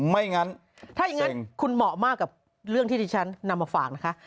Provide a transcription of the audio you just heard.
ไม่งั้นถ้าอย่างนั้นคุณเหมาะมากกับเรื่องที่ที่ฉันนำมาฝากนะคะ